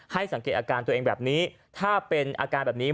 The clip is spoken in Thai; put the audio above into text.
สังเกตอาการตัวเองแบบนี้ถ้าเป็นอาการแบบนี้